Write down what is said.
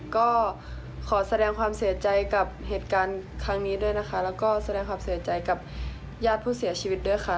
ก็ขอแสดงความเสียใจกับเหตุการณ์ครั้งนี้ด้วยนะคะแล้วก็แสดงความเสียใจกับญาติผู้เสียชีวิตด้วยค่ะ